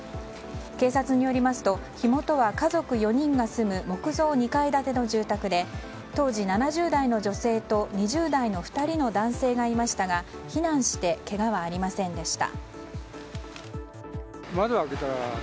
警察によりますと火元は家族４人が住む木造２階建ての住宅で当時、７０代の女性と２０代の２人の男性がいましたが避難してけがはありませんでした。